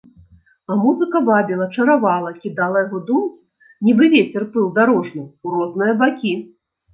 А музыка вабіла, чаравала, кідала яго думкі, нібы вецер пыл дарожны, у розныя бакі.